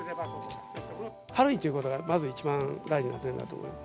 軽いってことがまず一番、大事な点だと思います。